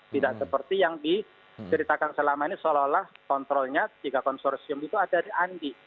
tidak seperti yang diceritakan selama ini seolah olah kontrolnya tiga konsorsium itu ada di andi